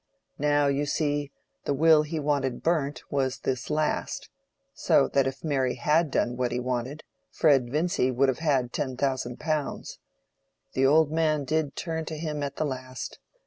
Now, you see, the will he wanted burnt was this last, so that if Mary had done what he wanted, Fred Vincy would have had ten thousand pounds. The old man did turn to him at the last.